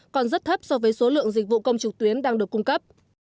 còn rất thấp so với số lượng dịch vụ công trực tuyến đang được cung cấp